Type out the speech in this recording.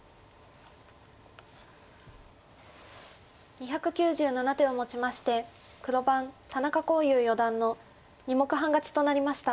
２９７手をもちまして黒番田中康湧四段の２目半勝ちとなりました。